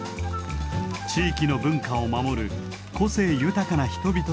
地域の文化を守る個性豊かな人々と出会います。